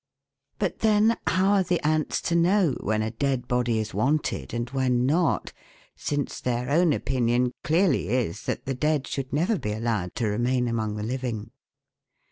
But then how are the ants to know when a dead body is wanted and when not, since their own opinion clearly is that the dead should never be allowed to remain among the living